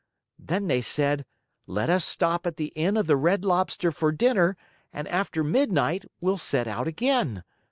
Then they said, 'Let us stop at the Inn of the Red Lobster for dinner and after midnight we'll set out again.